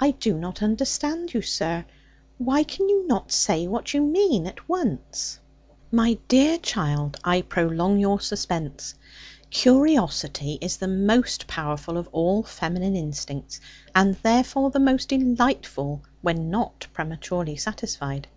'I do not understand you, sir. Why can you not say what you mean, at once?' 'My dear child, I prolong your suspense. Curiosity is the most powerful of all feminine instincts; and therefore the most delightful, when not prematurely satisfied.